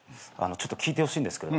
ちょっと聞いてほしいんですけど